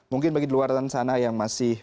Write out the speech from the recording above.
mungkin bagi di luar sana yang masih